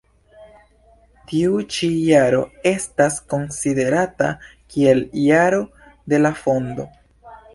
Tiu ĉi jaro estas konsiderata kiel jaro de la fondo.